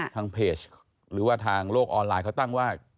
ทางเพจหรือว่าทางโลกออนไลน์เขาตั้งว่า